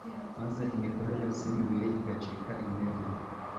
maze imikorere yose yumubiri igacika intege